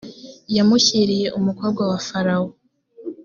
yamushyiriye umukobwa wa farawo